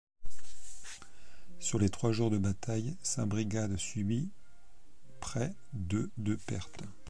Sur les trois jours de bataille, sa brigade subit près de de pertes.